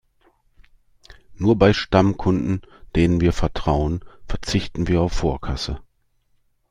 Nur bei Stammkunden, denen wir vertrauen, verzichten wir auf Vorkasse.